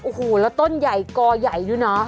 โอ้โหแล้วต้นใหญ่กอใหญ่ด้วยนะ